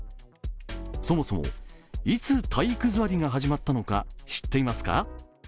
そもそも、いつ体育座りが始まったのか知っていますか？